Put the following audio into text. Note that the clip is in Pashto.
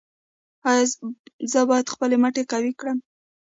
ایا زه باید خپل مټې قوي کړم؟